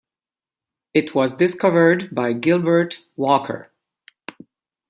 It was discovered by Gilbert Walker.